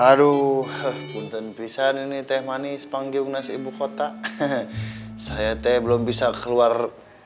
aduh punten pisah ini teh manis panggung nasi ibukota saya teh belum bisa keluar